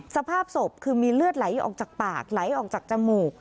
สภาพศพคือมีเลือดไหลออกจากปากไหลออกจากจมูก